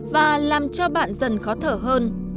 và làm cho bạn dần khó thở hơn